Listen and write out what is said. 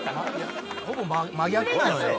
ほぼ真逆なのよ